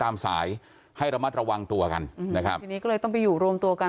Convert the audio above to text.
ตามสายให้ระมัดระวังตัวกันนะครับทีนี้ก็เลยต้องไปอยู่รวมตัวกัน